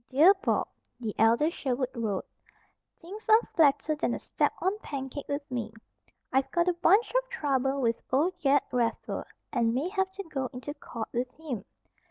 "Dear Bob," the elder Sherwood wrote: "Things are flatter than a stepped on pancake with me. I've got a bunch of trouble with old Ged Raffer and may have to go into court with him.